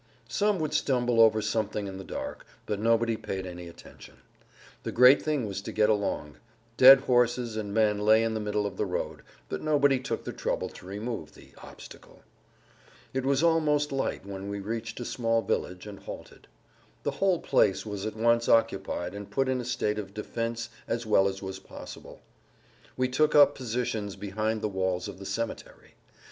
Some would stumble over something in the dark, but nobody paid any attention. The great thing was to get along. Dead horses and men lay in the middle of the road, but nobody took the trouble to remove the "obstacle." It was almost light when we reached a small village and halted. The whole place was at once occupied and put in a state of defense as well as was possible. We took up positions behind the walls of the cemetery.